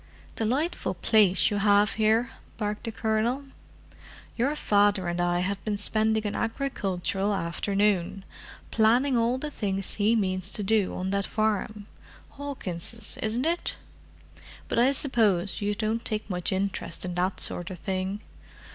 "Delightful place you have here!" barked the Colonel. "Your father and I have been spending an agricultural afternoon; planning all the things he means to do on that farm—Hawkins', isn't it? But I suppose you don't take much interest in that sort of thing?